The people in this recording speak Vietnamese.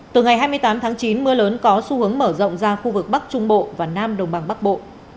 từ ngày hai mươi tám tháng chín mưa lớn có xu hướng mở rộng ra khu vực bắc trung bộ và nam đồng bằng bắc bộ